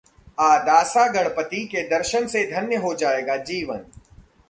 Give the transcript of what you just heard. अदासा गणपति के दर्शन से धन्य हो जाएगा जीवन